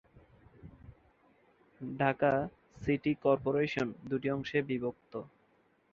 Dhaka city corporation দুটি অংশে বিভক্ত।